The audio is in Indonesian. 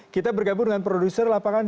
kita bergabung dengan produser lapangan